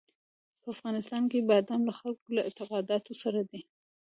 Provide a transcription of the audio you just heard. په افغانستان کې بادام له خلکو له اعتقاداتو سره دي.